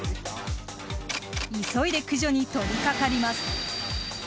急いで駆除に取りかかります。